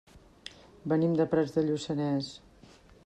Venim de Prats de Lluçanès.